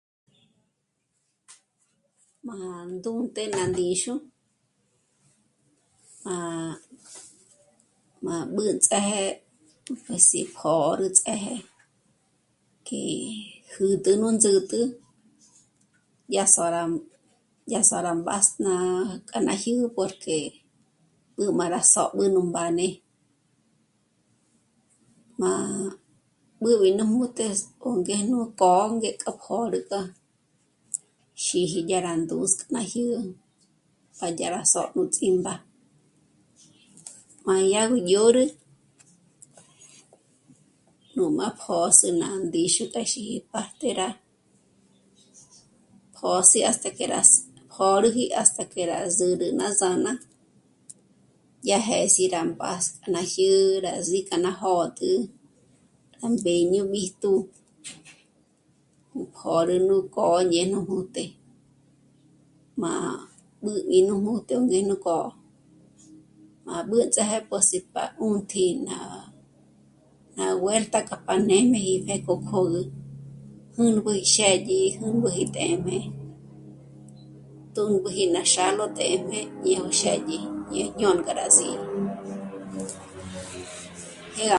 Má ndúnte ná ndíxu à... má b'ǚnts'ë́je 'e sí pjö̌rü ts'ë́jë k'e jǚt'ü nú ndzǚtü yá sô'o rá, yá sô'o rá mbás'na k'a ná jyù'u porque b'ǘ má rá só'b'ü nú mbáne. Má b'ǘb'i nú jmúte 'óngéjnu pônge k'a pôrüga xíji yá rá ndús'ü má jyú'u para dyá rá só' nú ts'ímba. Má yá gó dyǒrü nú má pjö̌s'ü ná ndíxu téxi partera pjö̌s'ü hasta que rá s'... jôrüji hasta que rá zǚrü ná sǎn'a, dyá jë̌s'i rá pás' ná jyù'u ná sí'i k'a nà jö̌'t'ü à mbéjñu b'íjtu kjú'u pjö̌rü nú k'ô'o ñé nú ndúnte, má ngǘn'i nú ndúnte o ngéjnu k'o, má b'ǚnts'ë́je pós'i pa 'ùntji ná vuelta k'a par nê'm'eji jé k'o kö̌gü, jùmbü í xë́dyi, jùmbüji të́jme, túmbüji ná xálo të́jme yó xë́dyi ñéj ñôrga rá sí'i, jé gá...